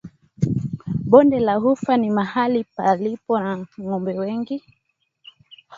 Bonde la ufa ni mahali palipo na ng’ombe wengi.